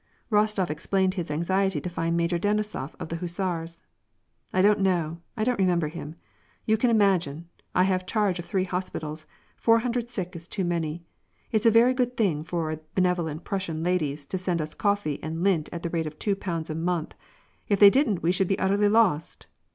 Rostof explained his anxiety to find Major Denisof of the hussars. '* I don't know ; I don't remember him. You can imagine : I have charge of three hospitals; four hundred sick is too many. It's a very good thing for benevolent Prussian ladies to send us coffee and lint at the rate of two pounds a month; if they didn't we should be utterly lost."